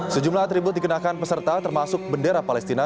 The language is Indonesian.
sejumlah atribut dikenakan peserta termasuk bendera palestina